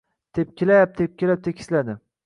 Tepkilab-tepkilab tekisladi.